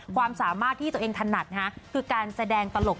ความสามารถที่ตัวเองถนัดคือการแสดงตลก